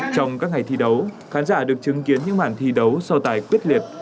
trong các ngày thi đấu khán giả được chứng kiến những màn thi đấu so tài quyết liệt